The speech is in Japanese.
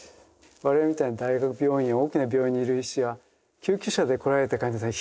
我々みたいに大学病院や大きな病院にいる医師は救急車で来られた患者さん